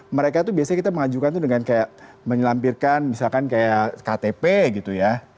mereka tuh biasanya kita mengajukan tuh dengan kayak menyelampirkan misalkan kayak ktp gitu ya